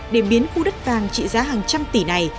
để biến khu đất vàng trị giá hàng trăm tỷ này